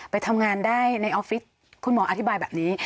ไปทำงานได้ในออฟฟิศคุณหมออธิบายแบบนี้